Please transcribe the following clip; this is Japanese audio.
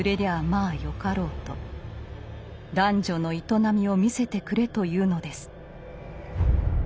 男女の営みを見せてくれと言うのです。